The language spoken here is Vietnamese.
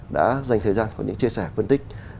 đã dành thời gian có những chia sẻ phân tích